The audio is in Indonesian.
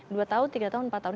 dua tahun empat tahun